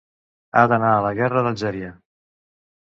Ha d'anar a la guerra d'Algèria.